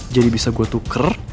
jadi bisa gua tuker